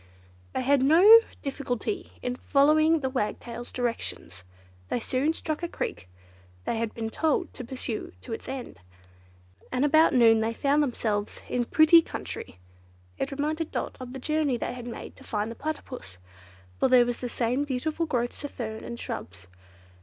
They had no difficulty in following the Wagtail's directions. They soon struck a creek they had been told to pursue to its end, and about noon they found themselves in very pretty country. It reminded Dot of the journey they had made to find the Platypus, for there were the same beautiful growths of fern and shrubs.